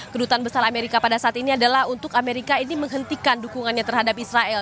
kedutaan besar amerika pada saat ini adalah untuk amerika ini menghentikan dukungannya terhadap israel